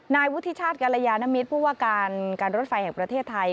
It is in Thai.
นายวุฒิชาติกรยานมิตรผู้ว่าการการรถไฟแห่งประเทศไทย